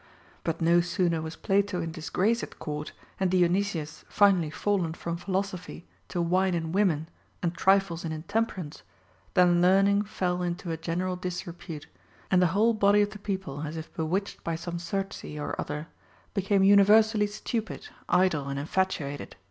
But no sooner was Plato in disgrace at court, and Dionysius finally fallen from philosophy to wine and women, trifles and intemperance, than learning fell into a general disrepute, and the whole body of the people, as if bewitched by some Circe or other, became universally stupid, idle, and infatuated.